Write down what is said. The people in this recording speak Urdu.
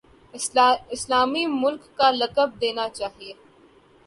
اسلامی ملک کا لقب دینا چاہیے۔